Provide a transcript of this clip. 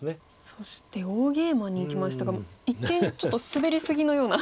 そして大ゲイマにいきましたが一見ちょっとスベリ過ぎのような。